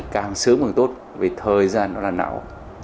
càng sớm càng tốt vì thời gian nó là nào